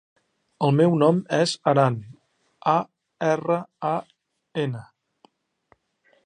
El meu nom és Aran: a, erra, a, ena.